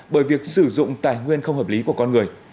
bởi việc sử dụng tài nguyên không hợp lý của con người